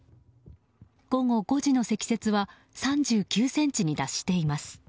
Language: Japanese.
午後５時の積雪は３９ｃｍに達しています。